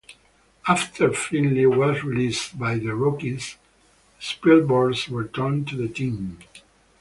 After Finley was released by the Rockies, Spilborghs returned to the team.